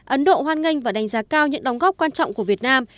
ấn độ hoan nghênh và đánh giá cao những đóng góp quan trọng của việt nam